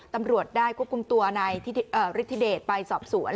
ตำรวจได้ควบคุมตัวนายฤทธิเดชไปสอบสวน